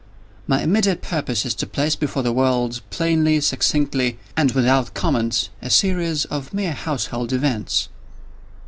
My immediate purpose is to place before the world, plainly, succinctly, and without comment, a series of mere household events.